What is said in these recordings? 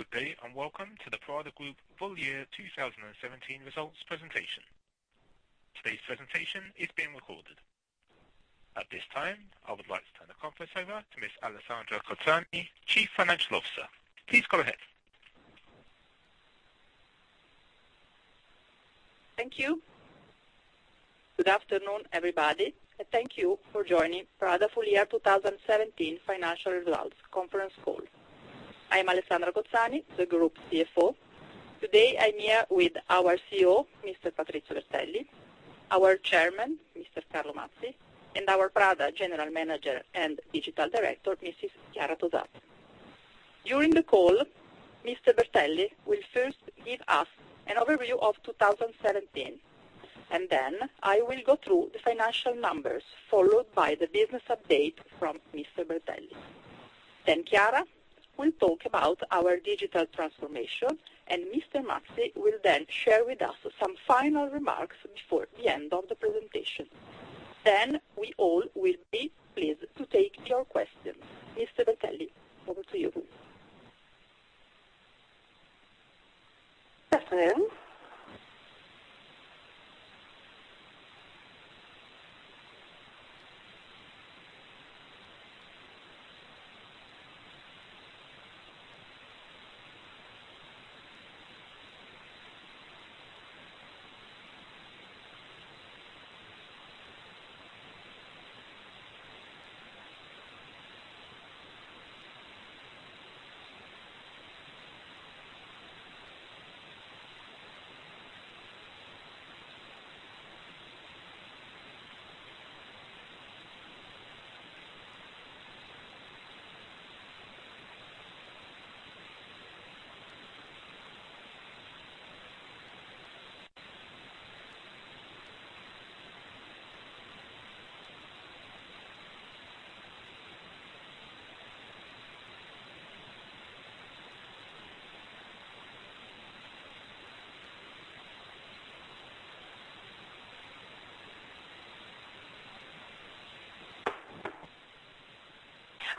Good day. Welcome to the Prada Group Full Year 2017 Results Presentation. Today's presentation is being recorded. At this time, I would like to turn the conference over to Ms. Alessandra Cozzani, Chief Financial Officer. Please go ahead. Thank you. Good afternoon, everybody. Thank you for joining Prada Full Year 2017 Financial Results Conference Call. I am Alessandra Cozzani, the group CFO. Today, I am here with our CEO, Mr. Patrizio Bertelli, our Chairman, Mr. Carlo Mazzi, and our Prada General Manager and Digital Director, Mrs. Chiara Tosato. During the call, Mr. Bertelli will first give us an overview of 2017. I will then go through the financial numbers, followed by the business update from Mr. Bertelli. Chiara will then talk about our digital transformation. Mr. Mazzi will then share with us some final remarks before the end of the presentation. We all will then be pleased to take your questions. Mr. Bertelli, over to you.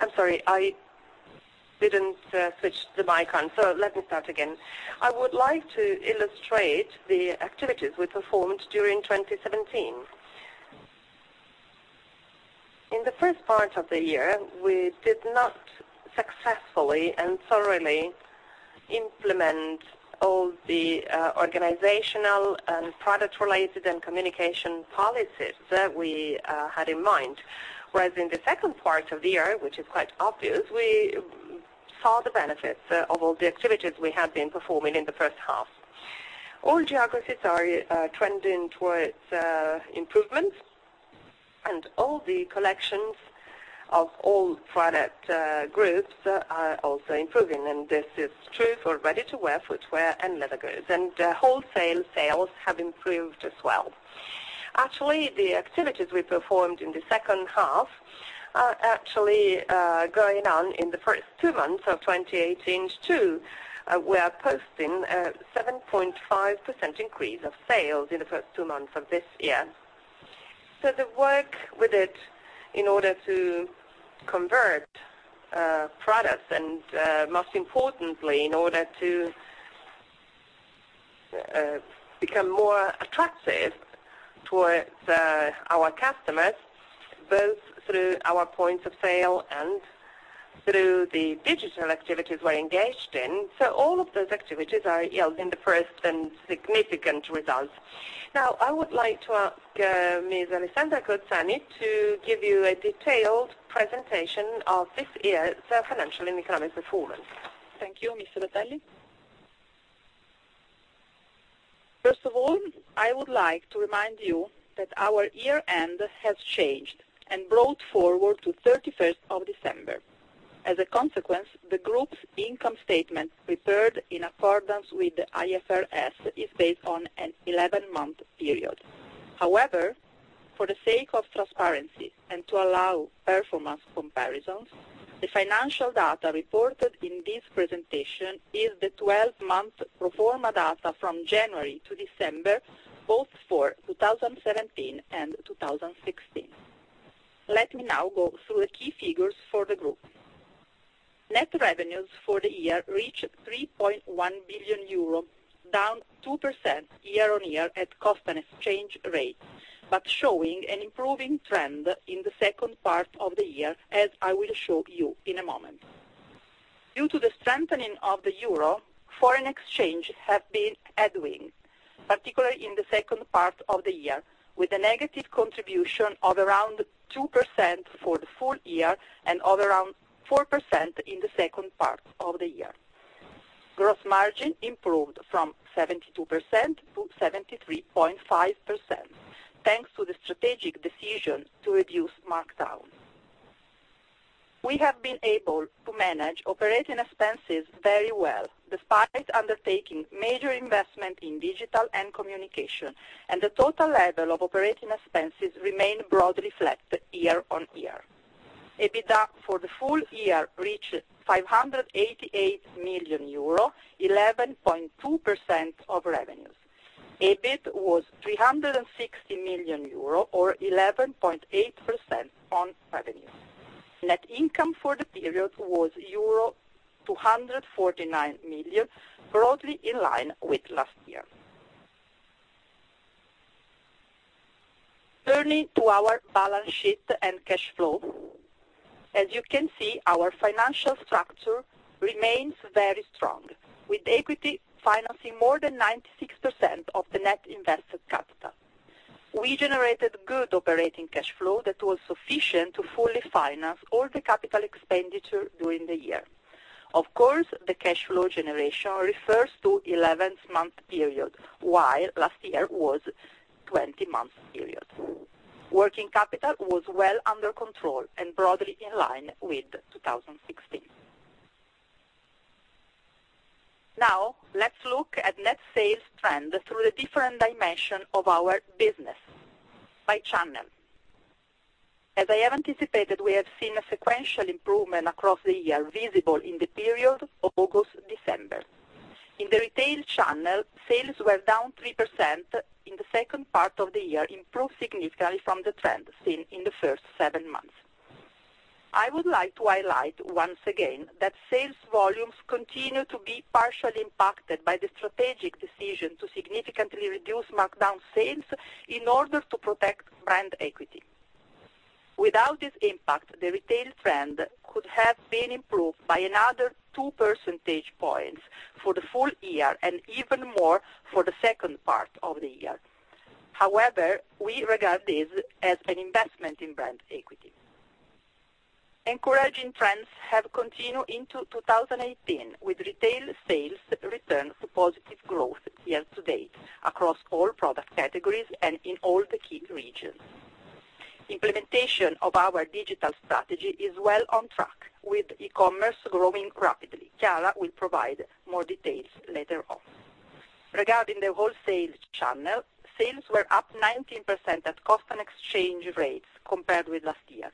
Good afternoon. I am sorry, I did not switch the mic on, so let me start again. I would like to illustrate the activities we performed during 2017. In the first part of the year, we did not successfully and thoroughly implement all the organizational and product-related and communication policies that we had in mind. In the second part of the year, which is quite obvious, we saw the benefits of all the activities we had been performing in the first half. All geographies are trending towards improvement. All the collections of all product groups are also improving. This is true for ready-to-wear footwear and leather goods. Wholesale sales have improved as well. Actually, the activities we performed in the second half are actually going on in the first two months of 2018, too. We are posting a 7.5% increase of sales in the first two months of this year. The work we did in order to convert products and, most importantly, in order to become more attractive towards our customers, both through our points of sale and through the digital activities we are engaged in. All of those activities are yielding the first and significant results. Now, I would like to ask Ms. Alessandra Cozzani to give you a detailed presentation of this year's financial and economic performance. Thank you, Mr. Bertelli. First of all, I would like to remind you that our year-end has changed and brought forward to 31st of December. As a consequence, the group's income statement, prepared in accordance with IFRS, is based on an 11-month period. However, for the sake of transparency and to allow performance comparisons, the financial data reported in this presentation is the 12-month pro forma data from January to December, both for 2017 and 2016. Let me now go through the key figures for the group. Net revenues for the year reached 3.1 billion euro, down 2% year-on-year at cost and exchange rates, but showing an improving trend in the second part of the year, as I will show you in a moment. Due to the strengthening of the euro, foreign exchange have been headwind, particularly in the second part of the year, with a negative contribution of around 2% for the full year and of around 4% in the second part of the year. Gross margin improved from 72%-73.5%, thanks to the strategic decision to reduce markdowns. We have been able to manage operating expenses very well, despite undertaking major investment in digital and communication, the total level of operating expenses remained broadly flat year-on-year. EBITDA for the full year reached 588 million euro, 11.2% of revenues. EBIT was 360 million euro or 11.8% on revenue. Net income for the period was euro 249 million, broadly in line with last year. Turning to our balance sheet and cash flow. As you can see, our financial structure remains very strong, with equity financing more than 96% of the net invested capital. We generated good operating cash flow that was sufficient to fully finance all the capital expenditure during the year. Of course, the cash flow generation refers to 11-month period, while last year was 20-month period. Working capital was well under control and broadly in line with 2016. Now, let's look at net sales trend through the different dimension of our business by channel. As I have anticipated, we have seen a sequential improvement across the year, visible in the period of August, December. In the retail channel, sales were down 3% in the second part of the year, improved significantly from the trend seen in the first seven months. I would like to highlight once again that sales volumes continue to be partially impacted by the strategic decision to significantly reduce markdown sales in order to protect brand equity. Without this impact, the retail trend could have been improved by another two percentage points for the full year and even more for the second part of the year. However, we regard this as an investment in brand equity. Encouraging trends have continued into 2018 with retail sales return to positive growth year-to-date across all product categories and in all the key regions. Implementation of our digital strategy is well on track, with e-commerce growing rapidly. Chiara will provide more details later on. Regarding the wholesale channel, sales were up 19% at constant exchange rates compared with last year,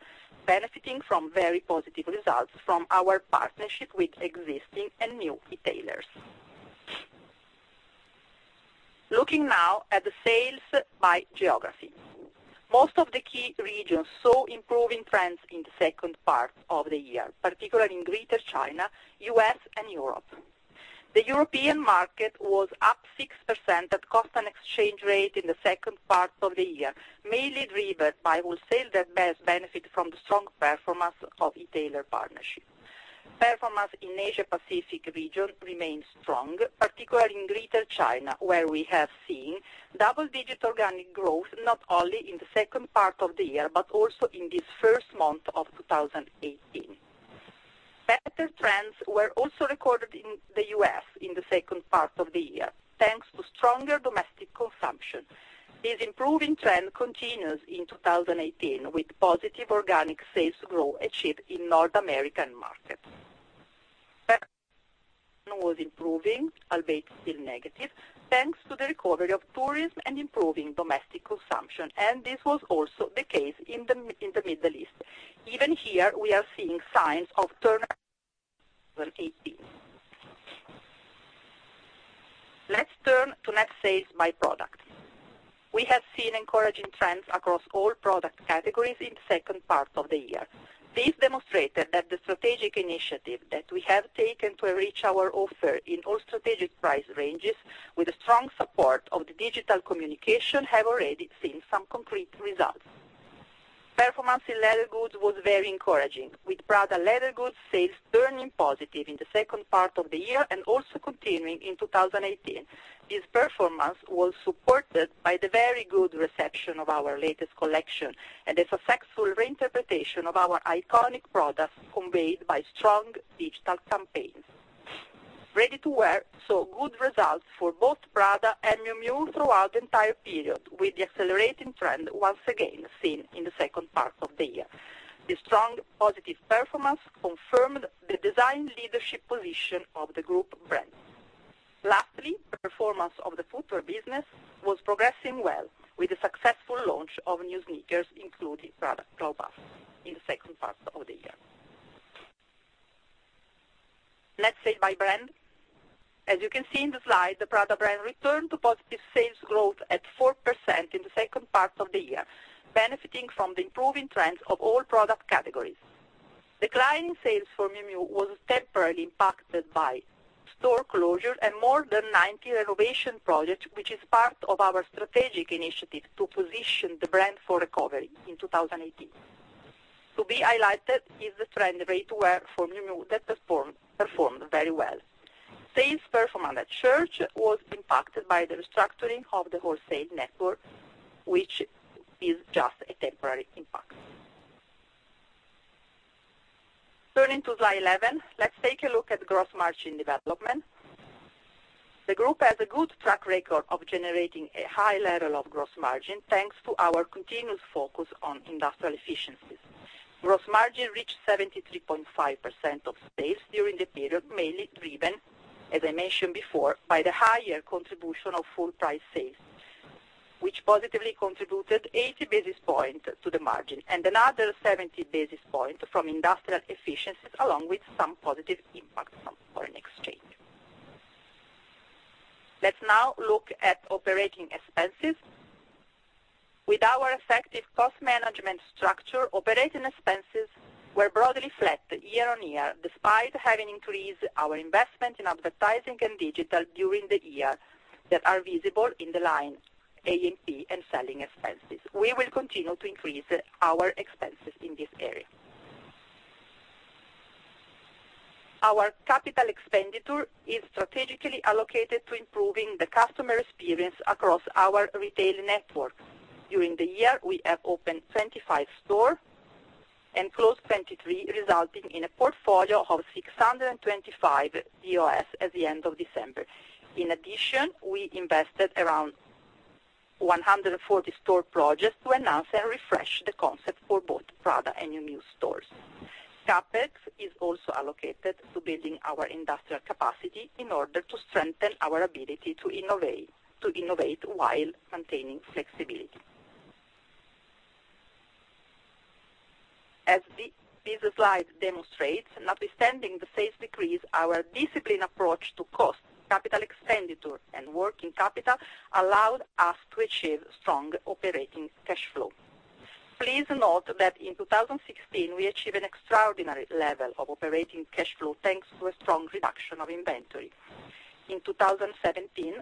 benefiting from very positive results from our partnership with existing and new e-tailers. Looking now at the sales by geography. Most of the key regions saw improving trends in the second part of the year, particularly in Greater China, U.S., and Europe. The European market was up 6% at constant exchange rate in the second part of the year, mainly driven by wholesale that has benefited from the strong performance of e-tailer partnership. Performance in Asia Pacific region remains strong, particularly in Greater China, where we have seen double-digit organic growth, not only in the second part of the year but also in this first month of 2018. Better trends were also recorded in the U.S. in the second part of the year, thanks to stronger domestic consumption. This improving trend continues in 2018 with positive organic sales growth achieved in North American markets. was improving, albeit still negative, thanks to the recovery of tourism and improving domestic consumption, and this was also the case in the Middle East. Even here, we are seeing signs of turn 2018. Let's turn to net sales by product. We have seen encouraging trends across all product categories in the second part of the year. This demonstrated that the strategic initiative that we have taken to enrich our offer in all strategic price ranges with the strong support of the digital communication have already seen some concrete results. Performance in leather goods was very encouraging, with Prada leather goods sales turning positive in the second part of the year and also continuing in 2018. This performance was supported by the very good reception of our latest collection and a successful reinterpretation of our iconic products conveyed by strong digital campaigns. Ready-to-wear saw good results for both Prada and Miu Miu throughout the entire period, with the accelerating trend once again seen in the second part of the year. The strong positive performance confirmed the design leadership position of the group brands. Lastly, performance of the footwear business was progressing well with the successful launch of new sneakers, including Prada Cloudbust, in the second part of the year. Net sales by brand. As you can see in the slide, the Prada brand returned to positive sales growth at 4% in the second part of the year, benefiting from the improving trends of all product categories. Declining sales for Miu Miu was temporarily impacted by store closure and more than 90 renovation projects, which is part of our strategic initiative to position the brand for recovery in 2018. To be highlighted is the trend ready-to-wear for Miu Miu that performed very well. Sales performance at Church's was impacted by the restructuring of the wholesale network, which is just a temporary impact. Turning to slide 11, let's take a look at gross margin development. The group has a good track record of generating a high level of gross margin, thanks to our continuous focus on industrial efficiencies. Gross margin reached 73.5% of sales during the period, mainly driven, as I mentioned before, by the higher contribution of full price sales. Which positively contributed 80 basis points to the margin, and another 70 basis points from industrial efficiencies, along with some positive impact from foreign exchange. Let's now look at operating expenses. With our effective cost management structure, operating expenses were broadly flat year-over-year, despite having increased our investment in advertising and digital during the year that are visible in the line A&P and selling expenses. We will continue to increase our expenses in this area. Our capital expenditure is strategically allocated to improving the customer experience across our retail network. During the year, we have opened 25 stores and closed 23, resulting in a portfolio of 625 DOS at the end of December. In addition, we invested around 140 store projects to enhance and refresh the concept for both Prada and Miu Miu stores. CapEx is also allocated to building our industrial capacity in order to strengthen our ability to innovate while maintaining flexibility. As this slide demonstrates, notwithstanding the sales decrease, our disciplined approach to cost, capital expenditure, and working capital allowed us to achieve strong operating cash flow. Please note that in 2016, we achieved an extraordinary level of operating cash flow, thanks to a strong reduction of inventory. In 2017,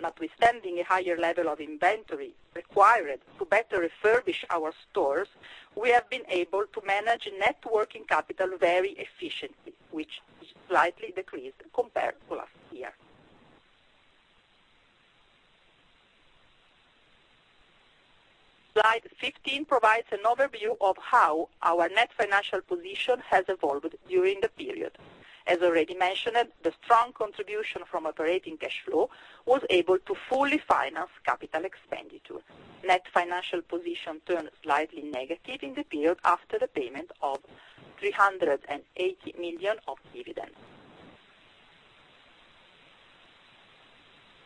notwithstanding a higher level of inventory required to better refurbish our stores, we have been able to manage net working capital very efficiently, which slightly decreased compared to last year. Slide 15 provides an overview of how our net financial position has evolved during the period. As already mentioned, the strong contribution from operating cash flow was able to fully finance capital expenditure. Net financial position turned slightly negative in the period after the payment of 380 million of dividends.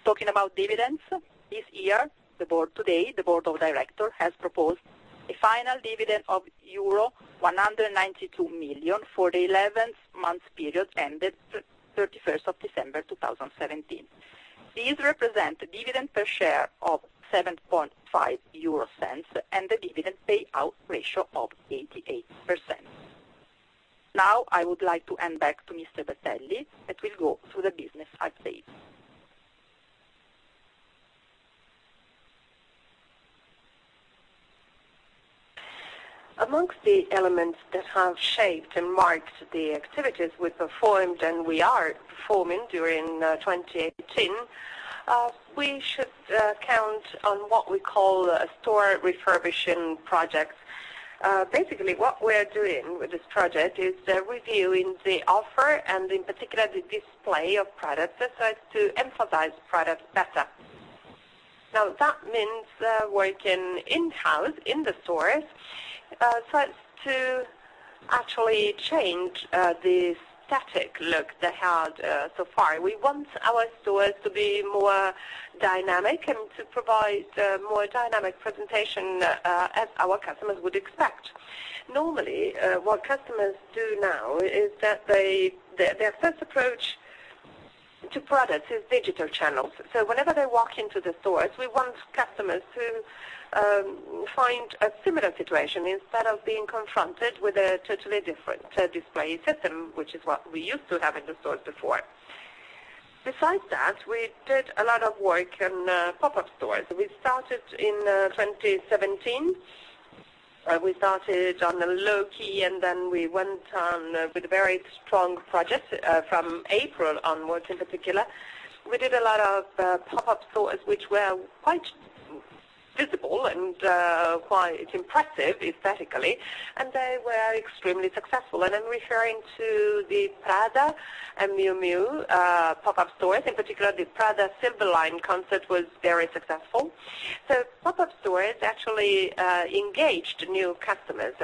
Talking about dividends, this year, today, the board of directors has proposed a final dividend of euro 192 million for the 11-month period ended 31st of December 2017. These represent dividend per share of 0.075 and a dividend payout ratio of 88%. I would like to hand back to Mr. Bertelli that will go through the business updates. Amongst the elements that have shaped and marked the activities we performed and we are performing during 2018, we should count on what we call a store refurbishing project. What we're doing with this project is reviewing the offer and in particular, the display of products so as to emphasize products better. That means working in-house, in the stores, so as to actually change the static look they had so far. We want our stores to be more dynamic and to provide more dynamic presentation as our customers would expect. What customers do now is that their first approach to products is digital channels. Whenever they walk into the stores, we want customers to find a similar situation instead of being confronted with a totally different display system, which is what we used to have in the stores before. Besides that, we did a lot of work in pop-up stores. We started in 2017. We started on the low key, we went on with very strong projects from April onwards in particular. We did a lot of pop-up stores, which were quite visible and quite impressive aesthetically, and they were extremely successful. I'm referring to the Prada and Miu Miu pop-up stores, in particular, the Prada Sylvilaine concept was very successful. Pop-up stores actually engaged new customers.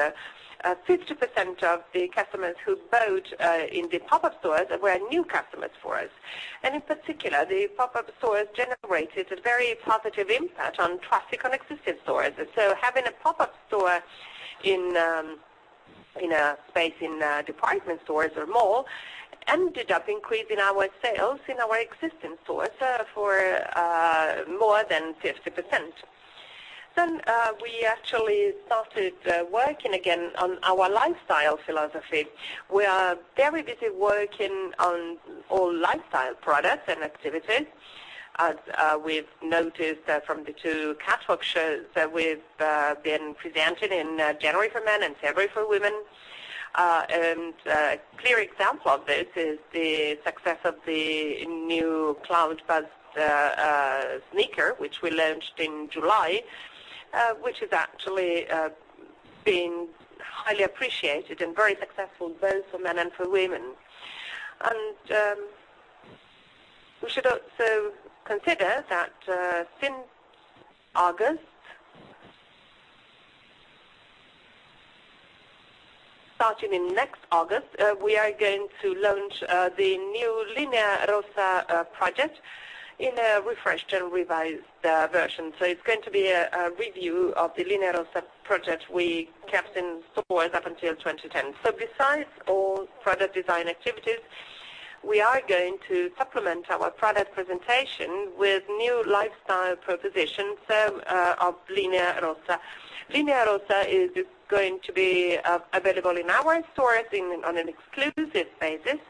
50% of the customers who bought in the pop-up stores were new customers for us. In particular, the pop-up stores generated a very positive impact on traffic on existing stores. Having a pop-up store in a space in department stores or mall, ended up increasing our sales in our existing stores for more than 50%. We actually started working again on our lifestyle philosophy. We are very busy working on all lifestyle products and activities. As we've noticed from the two catwalk shows that we've been presenting in January for men and February for women. A clear example of this is the success of the new Cloudbust sneaker, which we launched in July, which has actually been highly appreciated and very successful both for men and for women. We should also consider that starting in next August, we are going to launch the new Linea Rossa project in a refreshed and revised version. It's going to be a review of the Linea Rossa project we kept in stores up until 2010. Besides all product design activities, we are going to supplement our product presentation with new lifestyle propositions of Linea Rossa. Linea Rossa is going to be available in our stores on an exclusive basis,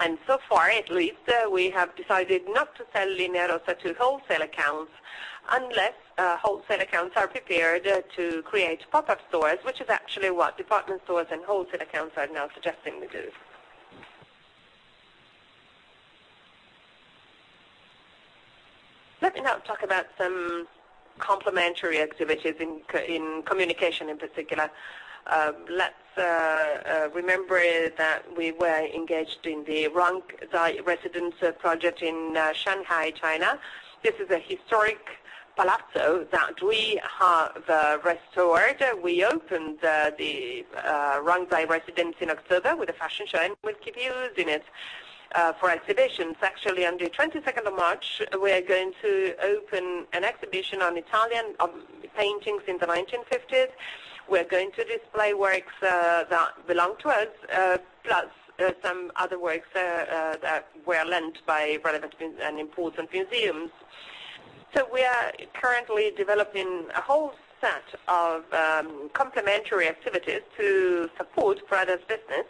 and so far at least, we have decided not to sell Linea Rossa to wholesale accounts unless wholesale accounts are prepared to create pop-up stores, which is actually what department stores and wholesale accounts are now suggesting we do. Let me now talk about some complementary activities in communication in particular. Let's remember that we were engaged in the Rong Zhai Residence project in Shanghai, China. This is a historic palazzo that we have restored. We opened the Rong Zhai Residence in October with a fashion show, and we keep using it for exhibitions. Actually, on the 22nd of March, we are going to open an exhibition on Italian paintings in the 1950s. We are going to display works that belong to us, plus some other works that were lent by relevant and important museums. We are currently developing a whole set of complementary activities to support Prada's business,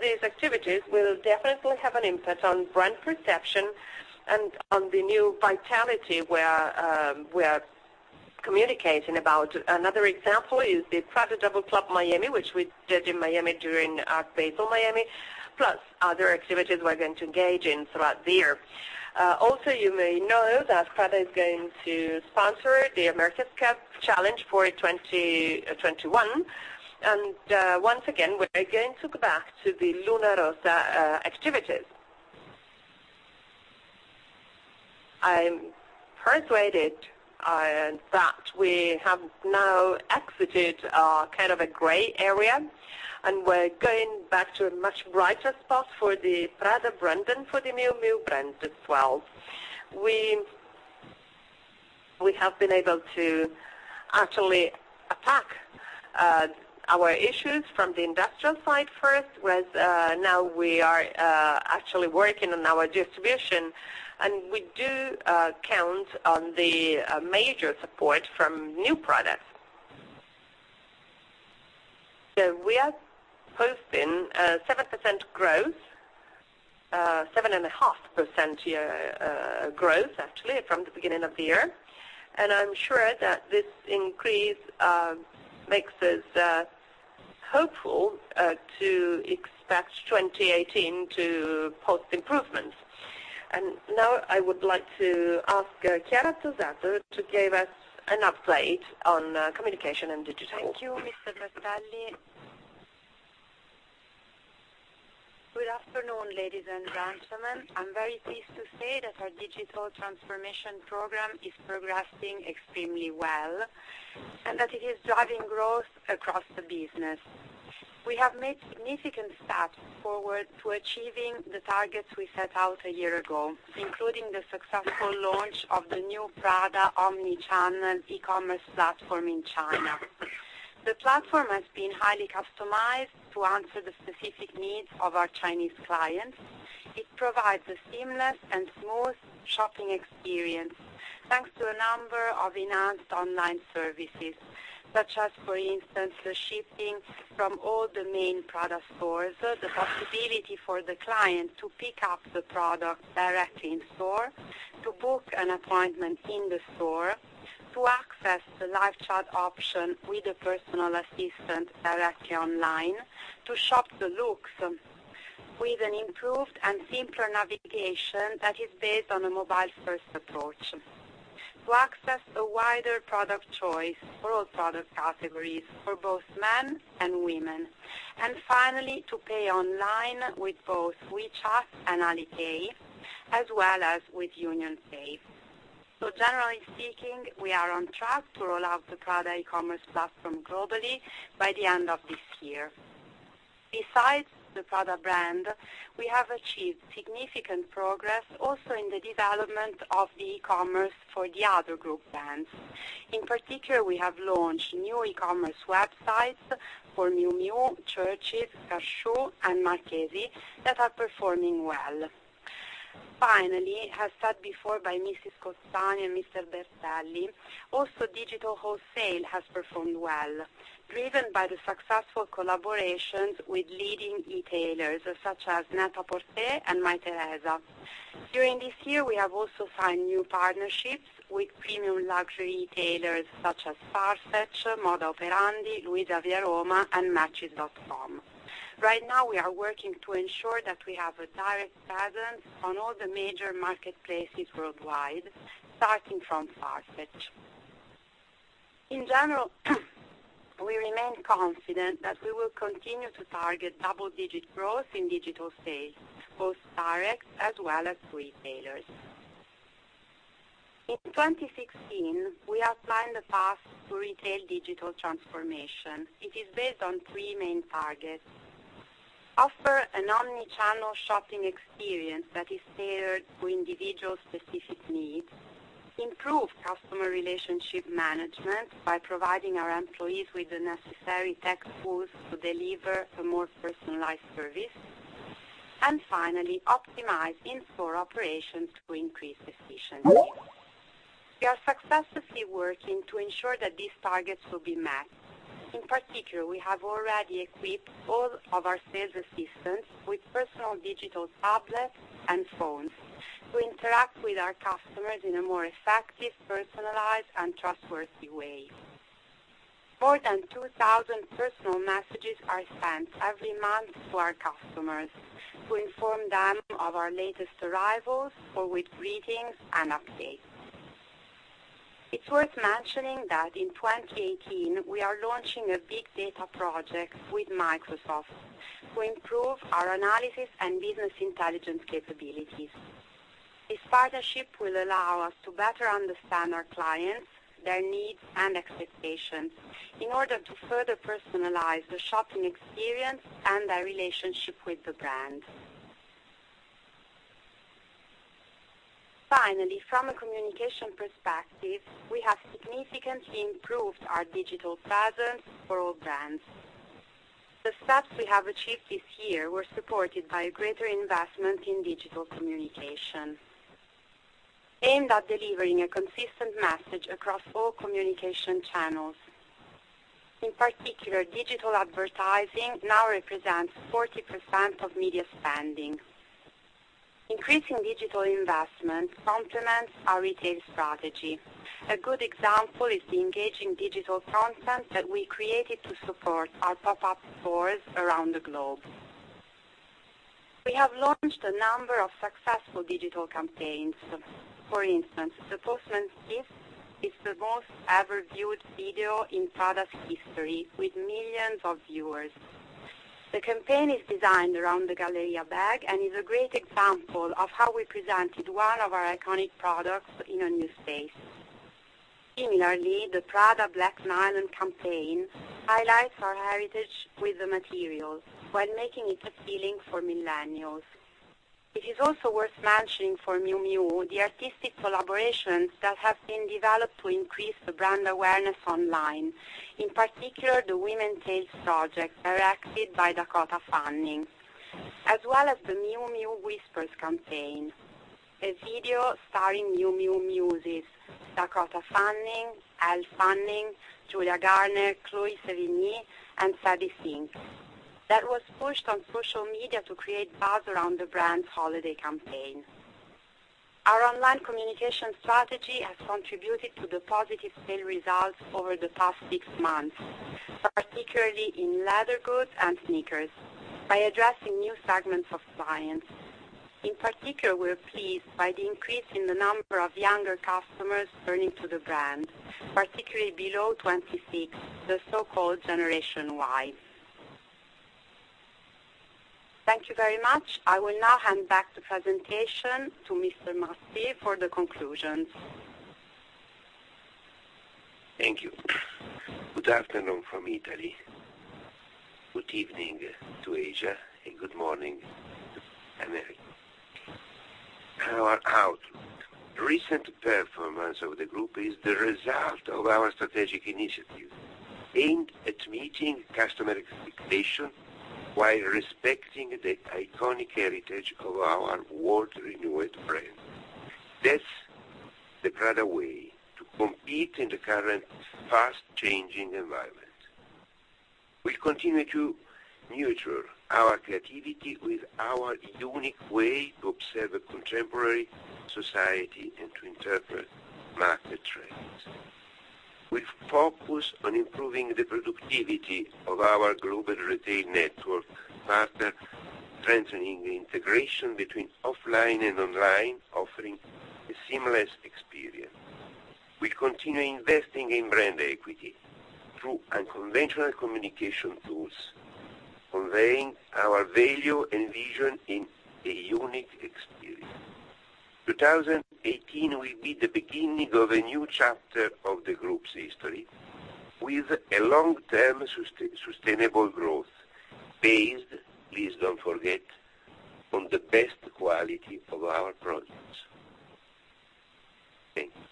these activities will definitely have an impact on brand perception and on the new vitality we are communicating about. Another example is The Prada Double Club Miami, which we did in Miami during Art Basel Miami, plus other activities we are going to engage in throughout the year. You may know that Prada is going to sponsor the America's Cup challenge for 2021. Once again, we are going to go back to the Luna Rossa activities. I'm persuaded that we have now exited a gray area, and we're going back to a much brighter spot for the Prada brand and for the Miu Miu brand as well. We have been able to actually attack our issues from the industrial side first, whereas now we are actually working on our distribution, we do count on the major support from new products. We are posting 7.5% growth actually from the beginning of the year, and I'm sure that this increase makes us hopeful to expect 2018 to post improvements. Now I would like to ask Chiara Tosato to give us an update on communication and digital. Thank you, Mr. Bertelli. Good afternoon, ladies and gentlemen. I'm very pleased to say that our digital transformation program is progressing extremely well and that it is driving growth across the business. We have made significant steps forward to achieving the targets we set out a year ago, including the successful launch of the new Prada omni-channel e-commerce platform in China. The platform has been highly customized to answer the specific needs of our Chinese clients. It provides a seamless and smooth shopping experience, thanks to a number of enhanced online services, such as, for instance, the shipping from all the main Prada stores, the possibility for the client to pick up the product directly in store, to book an appointment in the store, to access the live chat option with a personal assistant directly online, to shop the looks with an improved and simpler navigation that is based on a mobile-first approach, to access a wider product choice for all product categories for both men and women, finally, to pay online with both WeChat and Alipay, as well as with UnionPay. Generally speaking, we are on track to roll out the Prada e-commerce platform globally by the end of this year. Besides the Prada brand, we have achieved significant progress also in the development of the e-commerce for the other group brands. In particular, we have launched new e-commerce websites for Miu Miu, Church's, Car Shoe, and Marchesi that are performing well. Finally, as said before by Mrs. Cozzani and Mr. Bertelli, also digital wholesale has performed well, driven by the successful collaborations with leading e-tailers such as NET-A-PORTER and Mytheresa. During this year, we have also signed new partnerships with premium luxury retailers such as FARFETCH, Moda Operandi, LuisaViaRoma, and Matches.com. Right now, we are working to ensure that we have a direct presence on all the major marketplaces worldwide, starting from FARFETCH. We remain confident that we will continue to target double-digit growth in digital sales, both direct as well as retailers. In 2016, we outlined the path to retail digital transformation. It is based on three main targets. Offer an omni-channel shopping experience that is tailored to individual specific needs. Improve customer relationship management by providing our employees with the necessary tech tools to deliver a more personalized service. Finally, optimize in-store operations to increase efficiency. We are successfully working to ensure that these targets will be met. In particular, we have already equipped all of our sales assistants with personal digital tablets and phones to interact with our customers in a more effective, personalized, and trustworthy way. More than 2,000 personal messages are sent every month to our customers to inform them of our latest arrivals or with greetings and updates. It's worth mentioning that in 2018, we are launching a big data project with Microsoft to improve our analysis and business intelligence capabilities. This partnership will allow us to better understand our clients, their needs, and expectations in order to further personalize the shopping experience and their relationship with the brand. Finally, from a communication perspective, we have significantly improved our digital presence for all brands. The steps we have achieved this year were supported by a greater investment in digital communication aimed at delivering a consistent message across all communication channels. In particular, digital advertising now represents 40% of media spending. Increasing digital investment complements our retail strategy. A good example is the engaging digital content that we created to support our pop-up stores around the globe. We have launched a number of successful digital campaigns. For instance, The Postman Dreams is the most ever viewed video in Prada's history, with millions of viewers. The campaign is designed around the Galleria bag and is a great example of how we presented one of our iconic products in a new space. Similarly, the Prada Black Nylon campaign highlights our heritage with the materials while making it appealing for millennials. It is also worth mentioning for Miu Miu, the artistic collaborations that have been developed to increase the brand awareness online. In particular, the Women's Tales project, directed by Dakota Fanning. As well as the Miu Miu Whispers campaign, a video starring Miu Miu muses Dakota Fanning, Elle Fanning, Julia Garner, Chloë Sevigny, and Sadie Sink, that was pushed on social media to create buzz around the brand's holiday campaign. Our online communication strategy has contributed to the positive sales results over the past six months, particularly in leather goods and sneakers, by addressing new segments of clients. In particular, we are pleased by the increase in the number of younger customers turning to the brand, particularly below 26, the so-called Generation Y. Thank you very much. I will now hand back the presentation to Mr. Mazzi for the conclusions. Thank you. Good afternoon from Italy. Good evening to Asia, good morning to America. Our outlook. Recent performance of the group is the result of our strategic initiatives aimed at meeting customer expectations while respecting the iconic heritage of our world-renowned brand. That's the Prada way to compete in the current fast-changing environment. We continue to nurture our creativity with our unique way to observe a contemporary society and to interpret market trends. We focus on improving the productivity of our global retail network partner, strengthening the integration between offline and online, offering a seamless experience. We continue investing in brand equity through unconventional communication tools, conveying our value and vision in a unique experience. 2018 will be the beginning of a new chapter of the group's history with a long-term sustainable growth based, please don't forget, on the best quality of our products. Thank you.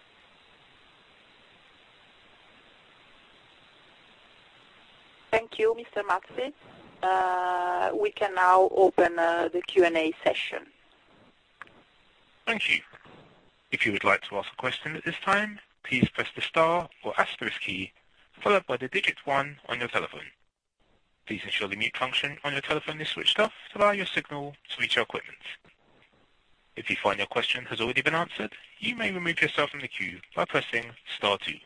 Thank you, Mr. Mazzi. We can now open the Q&A session. Thank you. If you would like to ask a question at this time, please press the star or asterisk key, followed by the digit one on your telephone. Please ensure the mute function on your telephone is switched off to allow your signal to reach our equipment. If you find your question has already been answered, you may remove yourself from the queue by pressing star two.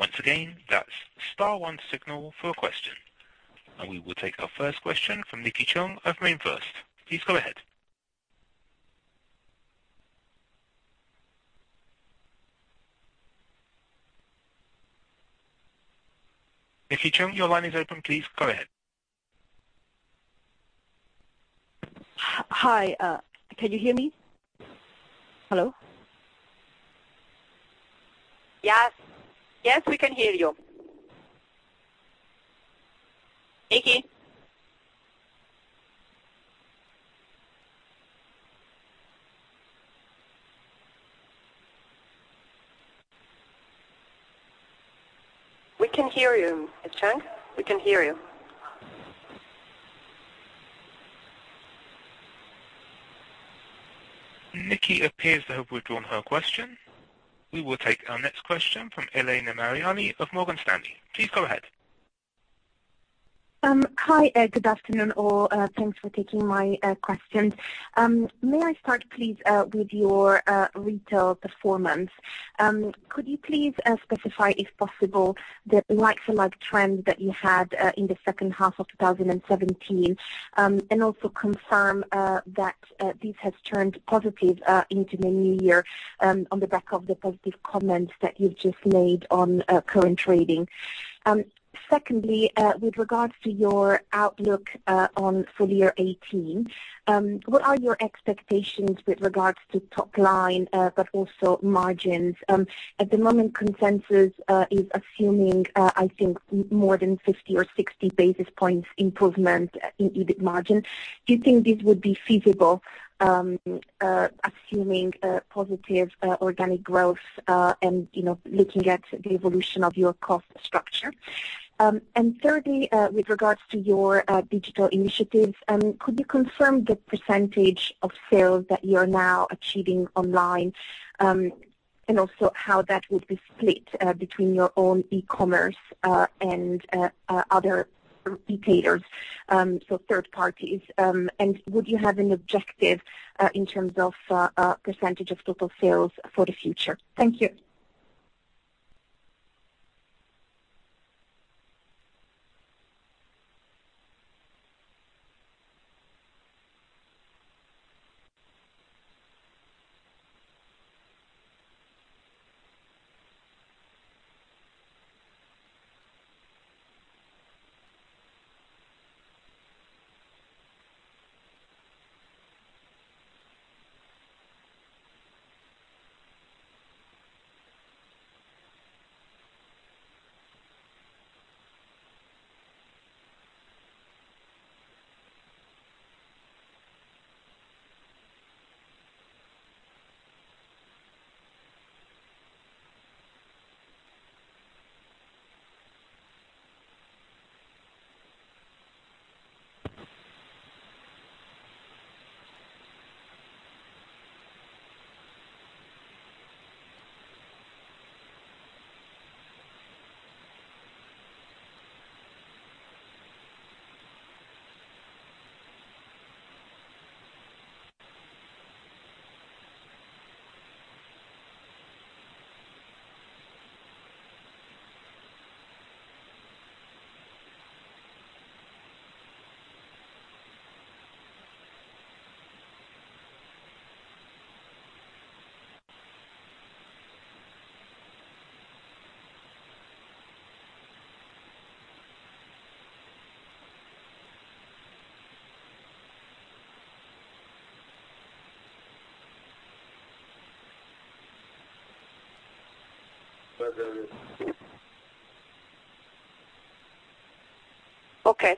Once again, that's star one to signal for a question. We will take our first question from Nikki Chung of Merrill Lynch. Please go ahead. If Nikki Chung, your line is open, please go ahead. Hi, can you hear me? Hello? Yes, we can hear you. Nikki? We can hear you, Miss Chung. We can hear you. Nikki appears to have withdrawn her question. We will take our next question from Elena Mariani of Morgan Stanley. Please go ahead. Hi, good afternoon all. Thanks for taking my questions. May I start please with your retail performance. Could you please specify, if possible, the like-for-like trend that you had in the second half of 2017, and also confirm that this has turned positive into the new year on the back of the positive comments that you've just made on current trading. Secondly, with regards to your outlook for year 2018, what are your expectations with regards to top-line but also margins? At the moment, consensus is assuming, I think, more than 50 or 60 basis points improvement in EBIT margin. Do you think this would be feasible, assuming positive organic growth, and looking at the evolution of your cost structure? Thirdly, with regards to your digital initiatives, could you confirm the % of sales that you are now achieving online? How that would be split between your own e-commerce, and other retailers, so third parties, and would you have an objective in terms of % of total sales for the future? Thank you.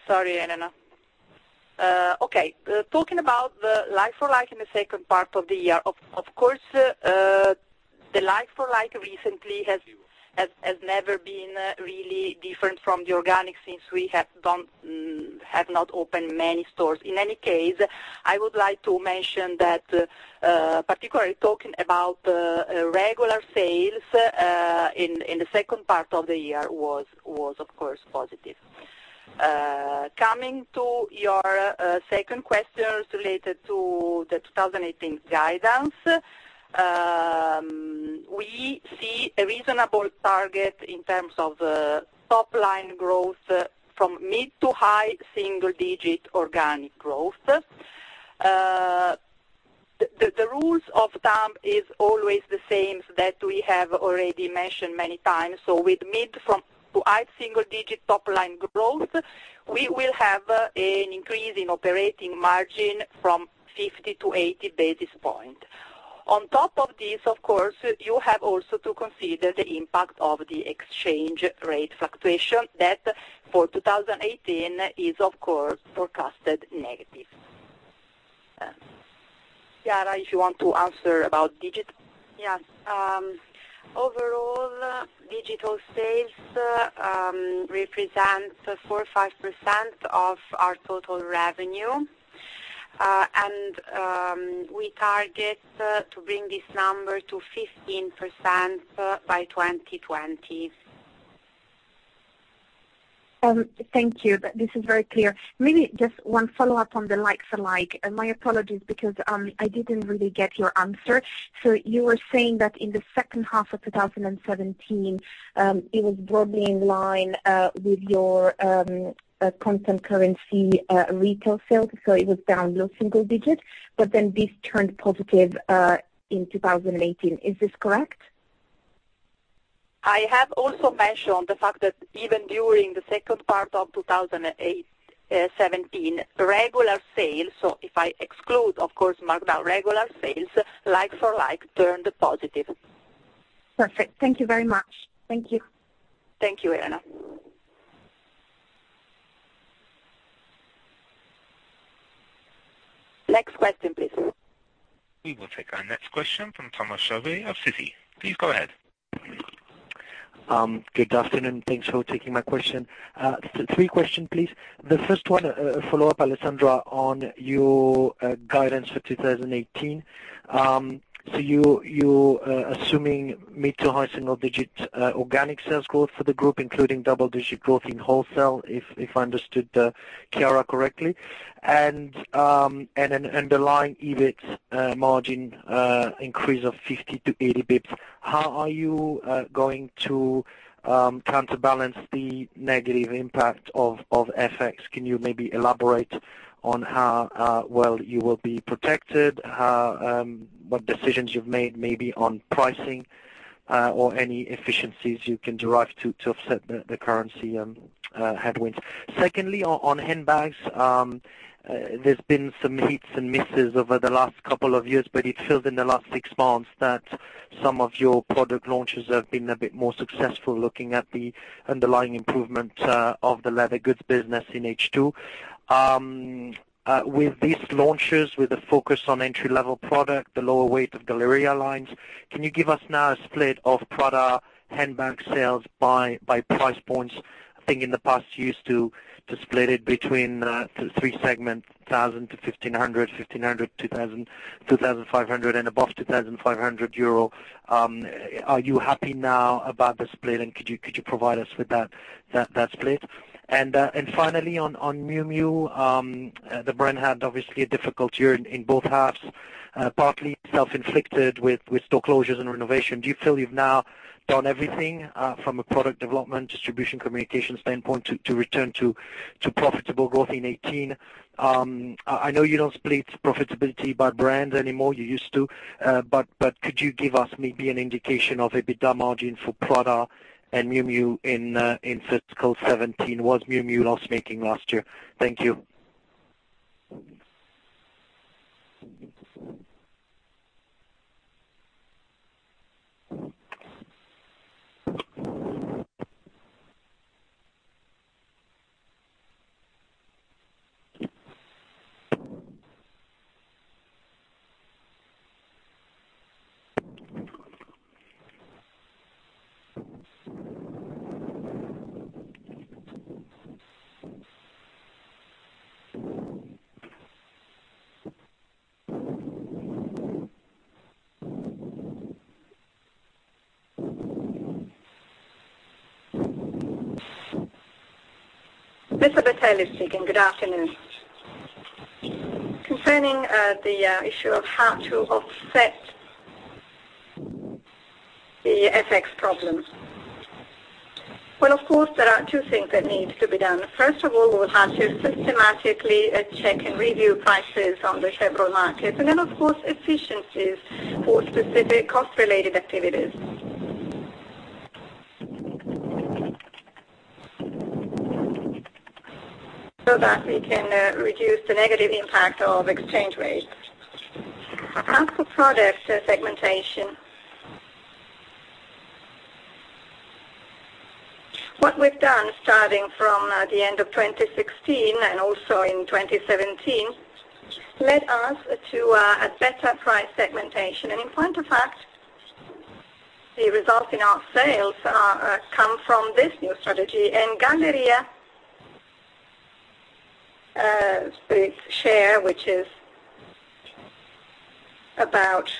Sorry, Elena. Talking about the like-for-like in the second part of the year, of course, the like-for-like recently has never been really different from the organic since we have not opened many stores. In any case, I would like to mention that, particularly talking about regular sales, in the second part of the year was of course positive. Coming to your second question related to the 2018 guidance. We see a reasonable target in terms of top-line growth from mid to high single-digit organic growth. The rules of thumb is always the same that we have already mentioned many times. With mid to high single-digit top-line growth, we will have an increase in operating margin from 50 to 80 basis points. On top of this, of course, you have also to consider the impact of the exchange rate fluctuation that for 2018 is, of course, forecasted negative. Chiara, if you want to answer about digital. Yes. Overall, digital sales represent 4% or 5% of our total revenue. We target to bring this number to 15% by 2020. Thank you. This is very clear. Maybe just one follow-up on the like-for-like. My apologies because I didn't really get your answer. You were saying that in the second half of 2017, it was broadly in line with your a constant currency retail sales, it was down low single digits, this turned positive in 2018. Is this correct? I have also mentioned the fact that even during the second part of 2017, regular sales, if I exclude, of course, markdown, regular sales, like for like, turned positive. Perfect. Thank you very much. Thank you. Thank you, Elena. Next question, please. We will take our next question from Thomas Chauvet of Citi. Please go ahead. Good afternoon. Thanks for taking my question. Three question, please. The first one, a follow-up, Alessandra, on your guidance for 2018. You're assuming mid to high single-digit organic sales growth for the group, including double-digit growth in wholesale, if I understood Chiara correctly, and an underlying EBIT margin increase of 50 to 80 basis points. How are you going to counterbalance the negative impact of FX? Can you maybe elaborate on how well you will be protected, what decisions you've made, maybe on pricing, or any efficiencies you can derive to offset the currency headwinds? Secondly, on handbags, there's been some hits and misses over the last couple of years, but it feels in the last six months that some of your product launches have been a bit more successful, looking at the underlying improvement of the leather goods business in H2. With these launches, with a focus on entry-level product, the lower weight of Galleria lines, can you give us now a split of Prada handbag sales by price points? I think in the past, you used to split it between 3 segments, 1,000-1,500, 1,500-2,000, 2,500, and above 2,500 euro. Are you happy now about the split, and could you provide us with that split? Finally on Miu Miu, the brand had obviously a difficult year in both halves, partly self-inflicted with store closures and renovation. Do you feel you've now done everything from a product development, distribution, communication standpoint to return to profitable growth in 2018? I know you don't split profitability by brands anymore, you used to, but could you give us maybe an indication of EBITDA margin for Prada and Miu Miu in fiscal 2017? Was Miu Miu loss-making last year? Thank you. Good afternoon. Of course, there are two things that need to be done. First of all, we'll have to systematically check and review prices on the several markets, and then, of course, efficiencies for specific cost-related activities, so that we can reduce the negative impact of exchange rates. As for product segmentation, what we've done starting from the end of 2016, and also in 2017, led us to a better price segmentation. In point of fact, the results in our sales come from this new strategy. In Galleria, the share, which is about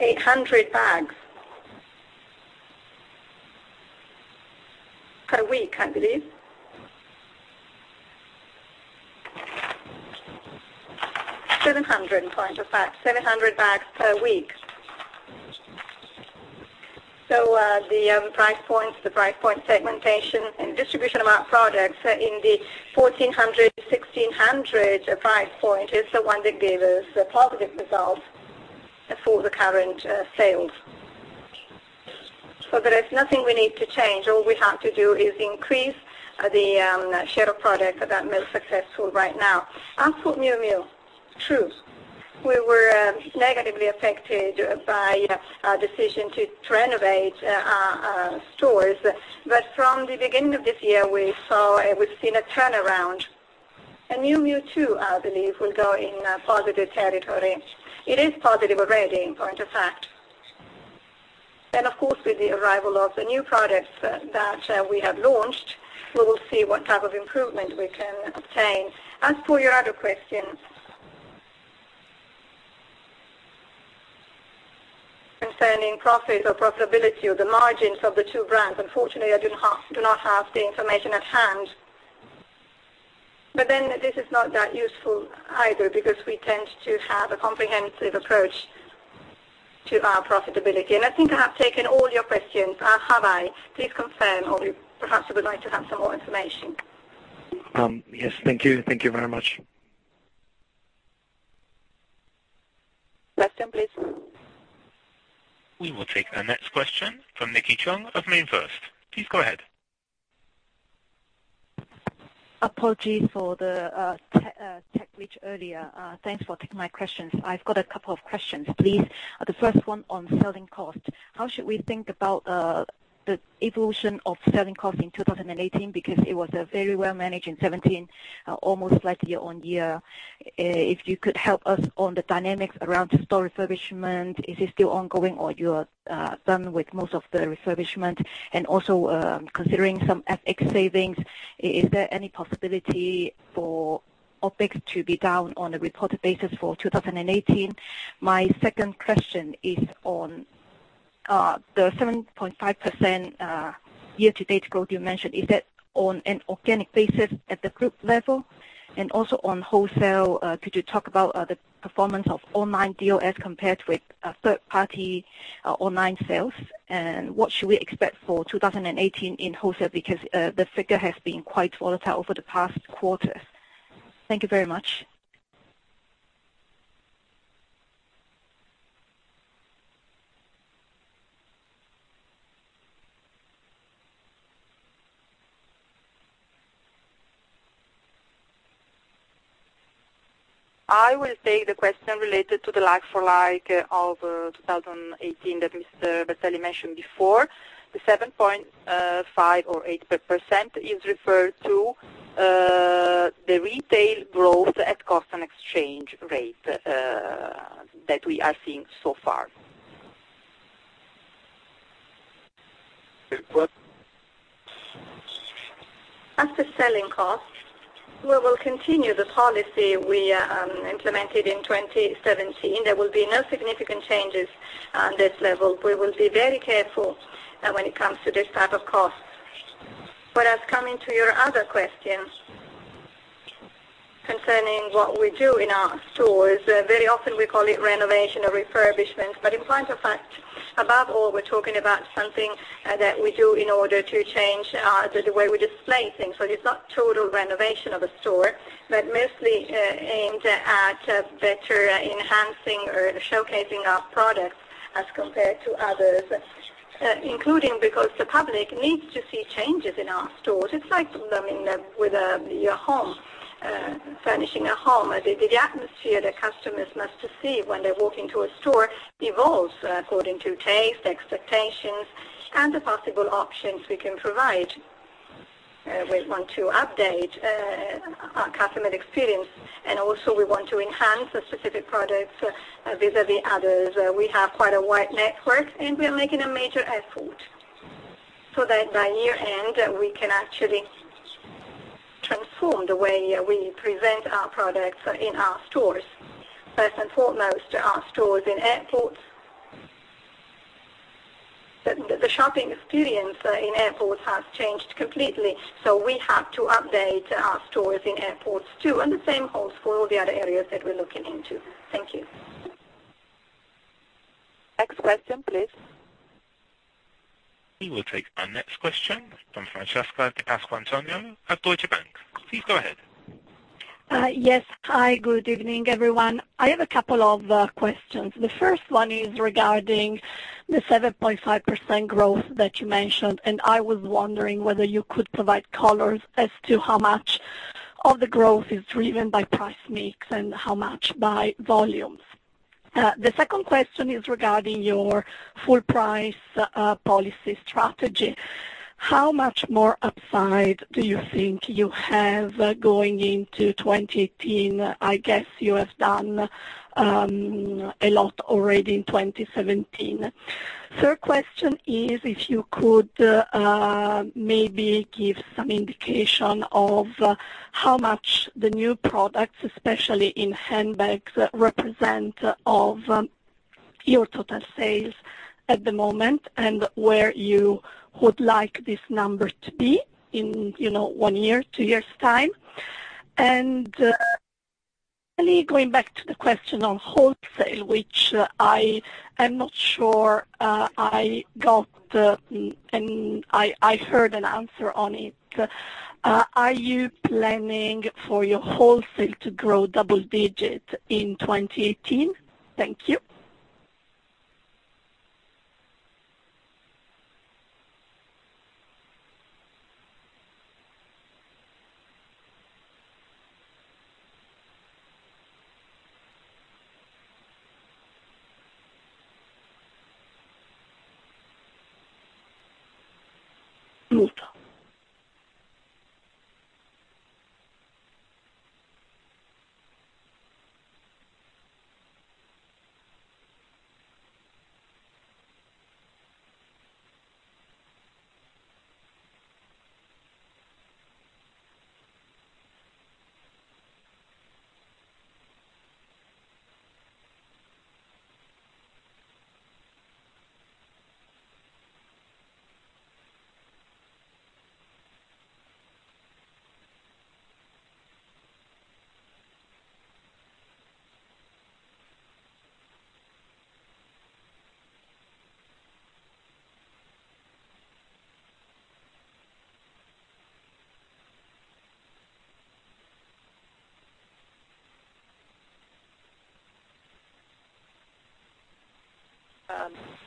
800 bags per week, I believe. 700, in point of fact, 700 bags per week. The price points, the price point segmentation and distribution of our products in the 1,400 to 1,600 price point is the one that gave us a positive result for the current sales. There is nothing we need to change. All we have to do is increase the share of product that is most successful right now. As for Miu Miu, true, we were negatively affected by a decision to renovate our stores. From the beginning of this year, we've seen a turnaround, and Miu Miu too, I believe, will go in positive territory. It is positive already, in point of fact. Of course, with the arrival of the new products that we have launched, we will see what type of improvement we can obtain. As for your other question concerning profits or profitability or the margins of the two brands, unfortunately, I do not have the information at hand. This is not that useful either because we tend to have a comprehensive approach to our profitability. I think I have taken all your questions. Have I? Please confirm, or perhaps you would like to have some more information. Thank you. Thank you very much. Next question, please. We will take our next question from Nikki Chung of Merrill Lynch Apologies for the tech glitch earlier. Thanks for taking my questions. I've got a couple of questions, please. The first one on selling cost. How should we think about the evolution of selling cost in 2018? Because it was very well-managed in 2017, almost slightly on year. If you could help us on the dynamics around store refurbishment, is it still ongoing, or you are done with most of the refurbishment? And also, considering some FX savings, is there any possibility for OpEx to be down on a reported basis for 2018? My second question is on the 7.5% year-to-date growth you mentioned. Is that on an organic basis at the group level? And also on wholesale, could you talk about the performance of online DOS compared with third-party online sales? And what should we expect for 2018 in wholesale? Because the figure has been quite volatile for the past quarters. Thank you very much. I will take the question related to the like-for-like of 2018 that Mr. Bertelli mentioned before. The 7.5% or 8% is referred to the retail growth at cost and exchange rate that we are seeing so far. As to selling cost, we will continue the policy we implemented in 2017. There will be no significant changes on this level. We will be very careful when it comes to this type of cost. As coming to your other question concerning what we do in our stores, very often we call it renovation or refurbishment, but in point of fact, above all, we are talking about something that we do in order to change the way we display things. It is not total renovation of a store, but mostly aimed at better enhancing or showcasing our products as compared to others, including because the public needs to see changes in our stores. It is like with your home, furnishing a home. The atmosphere that customers must perceive when they walk into a store evolves according to taste, expectations, and the possible options we can provide. We want to update our customer experience, also we want to enhance the specific products vis-a-vis others. We have quite a wide network, we are making a major effort so that by year-end, we can actually transform the way we present our products in our stores. First and foremost, our stores in airports. The shopping experience in airports has changed completely, we have to update our stores in airports, too. The same holds for all the other areas that we are looking into. Thank you. Next question, please. We will take our next question from Francesca Di Pasquantonio of Deutsche Bank. Please go ahead. Yes. Hi, good evening, everyone. I have a couple of questions. The first one is regarding the 7.5% growth that you mentioned, I was wondering whether you could provide colors as to how much of the growth is driven by price mix and how much by volumes. The second question is regarding your full price policy strategy. How much more upside do you think you have going into 2018? I guess you have done a lot already in 2017. Third question is, if you could maybe give some indication of how much the new products, especially in handbags, represent of your total sales at the moment, and where you would like this number to be in one year, two years' time. Finally, going back to the question on wholesale, which I am not sure I heard an answer on it. Are you planning for your wholesale to grow double digits in 2018? Thank you.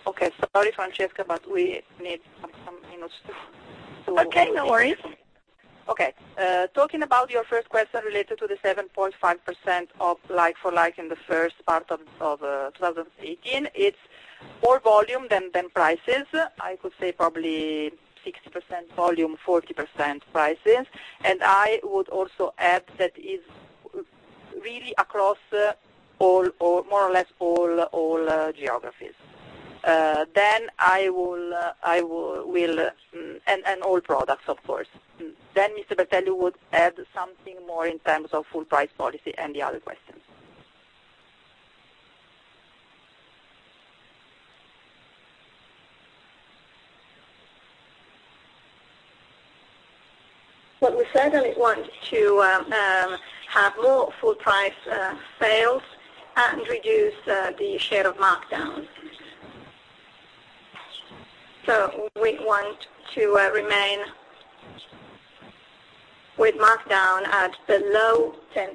Okay. Sorry, Francesca, we need some minutes to Okay, no worries. Okay. Talking about your first question related to the 7.5% of like-for-like in the first part of 2018, it's more volume than prices. I could say probably 60% volume, 40% prices. I would also add that is really across more or less all geographies. All products, of course. Mr. Bertelli would add something more in terms of full price policy and the other questions. What we certainly want to have more full price sales and reduce the share of markdown. We want to remain with markdown at below 10%.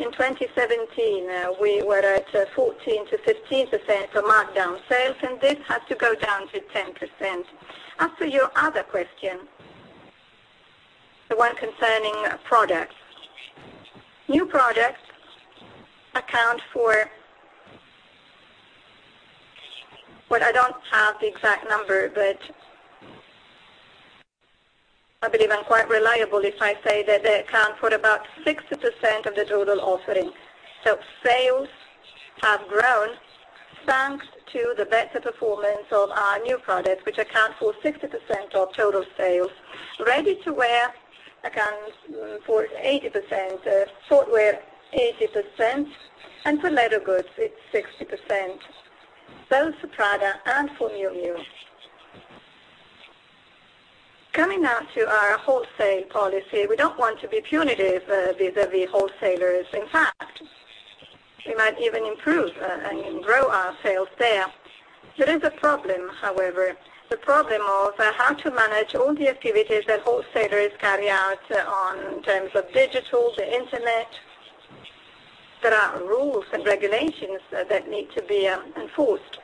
In 2017, we were at 14%-15% for markdown sales, and this had to go down to 10%. As for your other question, the one concerning products. New products account for I don't have the exact number, but I believe I'm quite reliable if I say that they account for about 60% of the total offering. Sales have grown, thanks to the better performance of our new products, which account for 60% of total sales. Ready-to-wear accounts for 80%, footwear 80%, and for leather goods, it's 60%, both for Prada and for Miu Miu. Coming now to our wholesale policy, we don't want to be punitive vis-à-vis wholesalers. In fact, we might even improve and grow our sales there. There is a problem, however, the problem of how to manage all the activities that wholesalers carry out in terms of digital, the internet. There are rules and regulations that need to be enforced.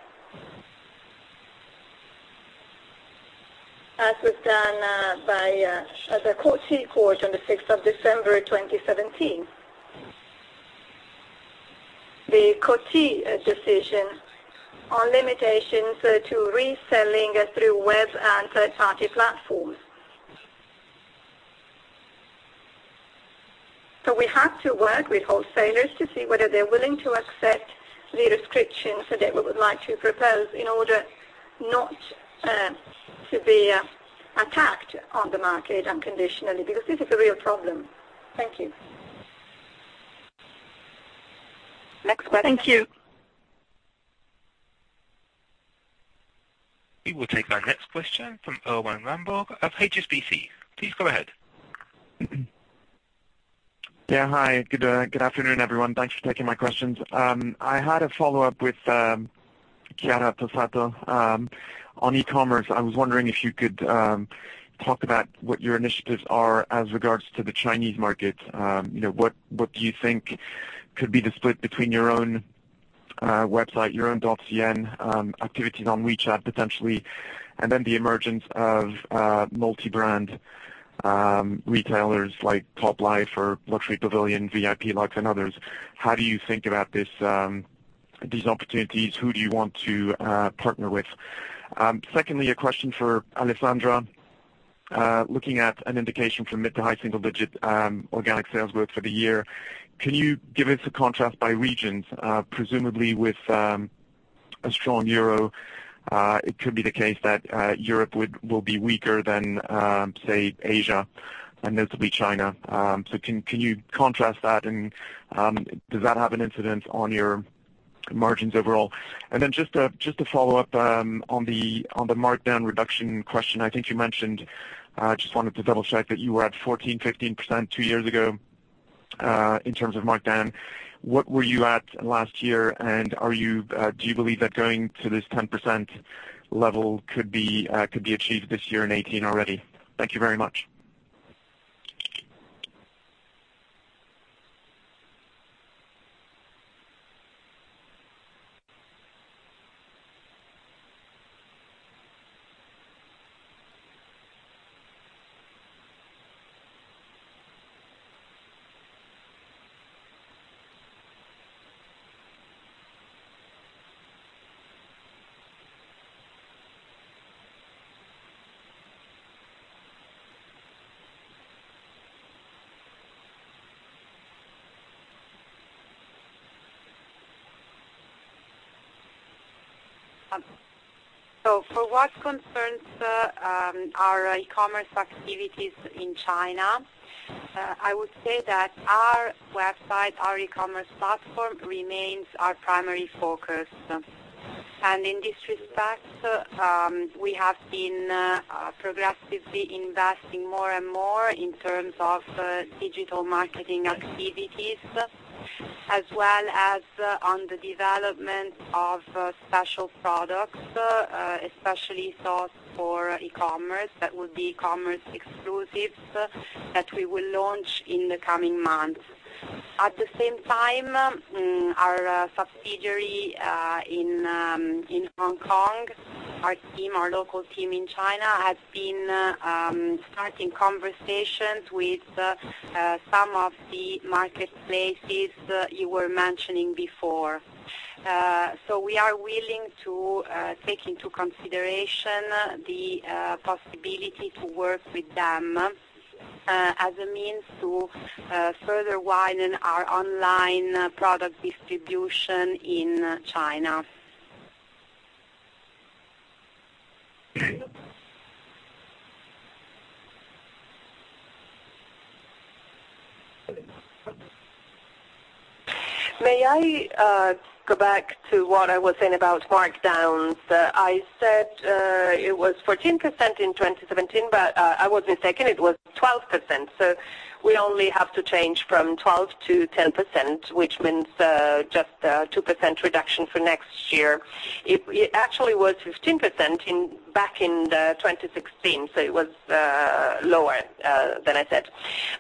As was done by the Coty Court on the 6th of December 2017. The Coty decision on limitations to reselling through web and third-party platforms. We have to work with wholesalers to see whether they're willing to accept the restrictions that we would like to propose in order not to be attacked on the market unconditionally, because this is a real problem. Thank you. Next question. Thank you. We will take our next question from Erwan Rambourg of HSBC. Please go ahead. Hi, good afternoon, everyone. Thanks for taking my questions. I had a follow-up with Chiara Tosato on e-commerce. I was wondering if you could talk about what your initiatives are as regards to the Chinese market. What do you think could be the split between your own website, your own .cn activities on WeChat, potentially, and then the emergence of multi-brand retailers like Toplife or Luxury Pavilion, VIPLux, and others. How do you think about these opportunities? Who do you want to partner with? Secondly, a question for Alessandra. Looking at an indication from mid to high single-digit organic sales growth for the year, can you give us a contrast by regions? Presumably with a strong euro, it could be the case that Europe will be weaker than, say, Asia, and notably China. Can you contrast that, and does that have an incidence on your margins overall? Just to follow up on the markdown reduction question, I think you mentioned, just wanted to double-check, that you were at 14%-15% two years ago, in terms of markdown. What were you at last year, and do you believe that going to this 10% level could be achieved this year in 2018 already? Thank you very much. For what concerns our e-commerce activities in China I would say that our website, our e-commerce platform, remains our primary focus. In this respect, we have been progressively investing more and more in terms of digital marketing activities, as well as on the development of special products, especially sourced for e-commerce, that will be e-commerce exclusives that we will launch in the coming months. At the same time, our subsidiary in Hong Kong, our local team in China, has been starting conversations with some of the marketplaces you were mentioning before. We are willing to take into consideration the possibility to work with them as a means to further widen our online product distribution in China. May I go back to what I was saying about markdowns? I said it was 14% in 2017, I was mistaken, it was 12%. We only have to change from 12% to 10%, which means just a 2% reduction for next year. It actually was 15% back in 2016, it was lower than I said.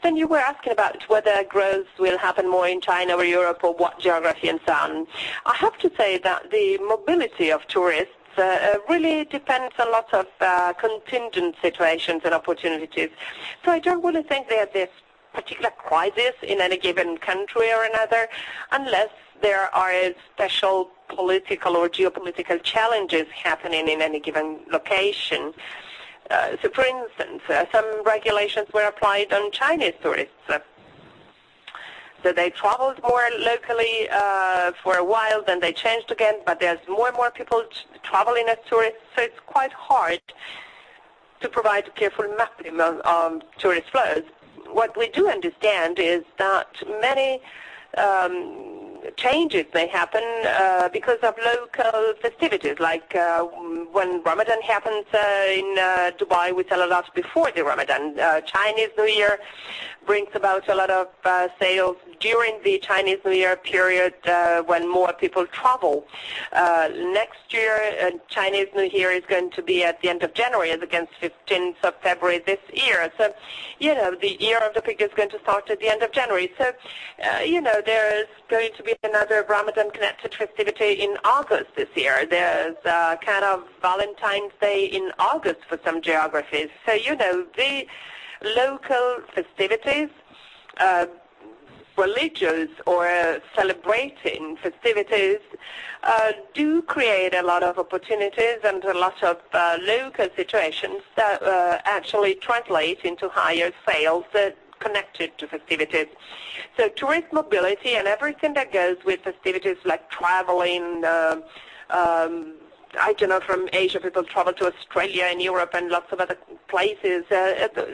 You were asking about whether growth will happen more in China or Europe, or what geography and so on. I have to say that the mobility of tourists really depends a lot on contingent situations and opportunities. I don't really think there's this particular crisis in any given country or another, unless there are special political or geopolitical challenges happening in any given location. For instance, some regulations were applied on Chinese tourists. They traveled more locally for a while, they changed again, there's more and more people traveling as tourists, it's quite hard to provide a careful mapping on tourist flows. What we do understand is that many changes may happen because of local festivities, like when Ramadan happens in Dubai, we sell a lot before the Ramadan. Chinese New Year brings about a lot of sales during the Chinese New Year period, when more people travel. Next year, Chinese New Year is going to be at the end of January as against 15th of February this year. The Year of the Pig is going to start at the end of January. There is going to be another Ramadan-connected festivity in August this year. There's a kind of Valentine's Day in August for some geographies. The local festivities, religious or celebrating festivities, do create a lot of opportunities and a lot of local situations that actually translate into higher sales connected to festivities. Tourist mobility and everything that goes with festivities like traveling. I do know from Asia, people travel to Australia and Europe and lots of other places.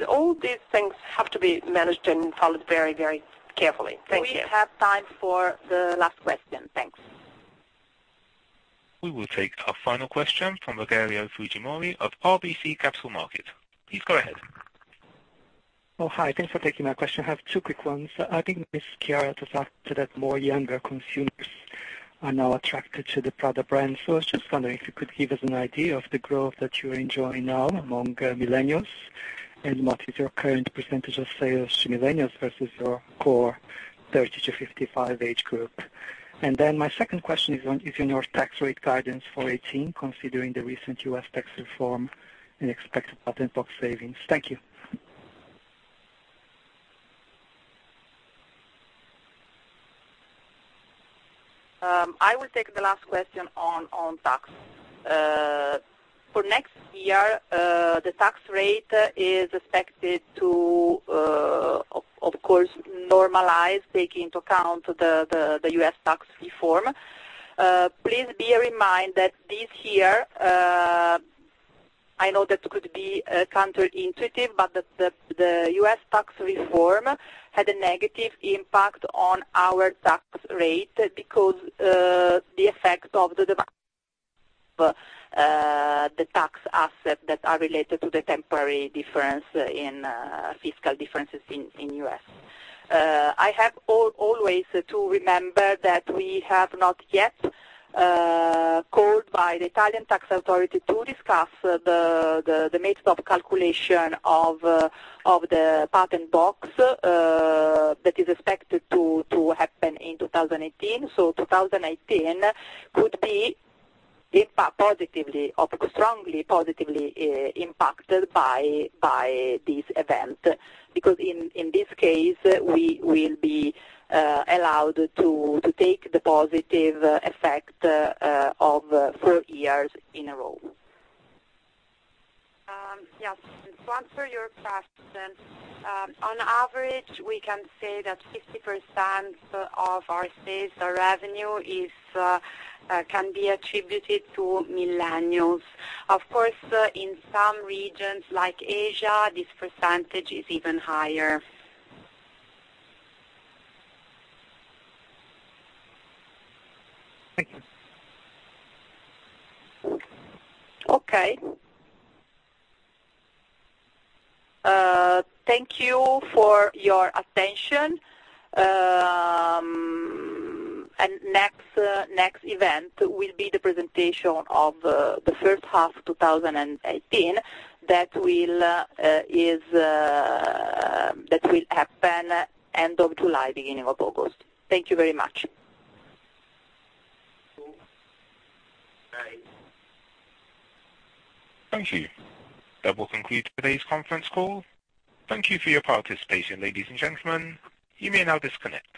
All these things have to be managed and followed very carefully. Thank you. We have time for the last question. Thanks. We will take our final question from Rogerio Fujimori of RBC Capital Markets. Please go ahead. Hi. Thanks for taking my question. I have two quick ones. I think Ms. Chiara just said that more younger consumers are now attracted to the Prada brand. I was just wondering if you could give us an idea of the growth that you are enjoying now among millennials, and what is your current percentage of sales to millennials versus your core 30-55 age group? My second question is on your tax rate guidance for 2018, considering the recent U.S. tax reform and expected patent box savings. Thank you. I will take the last question on tax. For next year, the tax rate is expected to, of course, normalize, taking into account the U.S. tax reform. Please bear in mind that this year, I know that could be counterintuitive, but the U.S. tax reform had a negative impact on our tax rate because the effect of the tax assets that are related to the temporary fiscal differences in U.S. I have always to remember that we have not yet called by the Italian tax authority to discuss the method of calculation of the patent box that is expected to happen in 2018. 2018 could be strongly positively impacted by this event, because in this case, we will be allowed to take the positive effect of three years in a row. Yes. To answer your question, on average, we can say that 60% of our sales revenue can be attributed to millennials. Of course, in some regions like Asia, this percentage is even higher. Thank you. Okay. Thank you for your attention. Next event will be the presentation of the first half 2018. That will happen end of July, beginning of August. Thank you very much. Bye. Thank you. That will conclude today's conference call. Thank you for your participation, ladies and gentlemen. You may now disconnect.